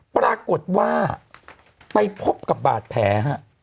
ปรากฏว่าไปพบกับบาดแผลฮะ